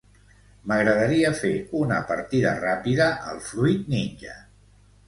M'agradaria fer una partida ràpida al "Fruit ninja".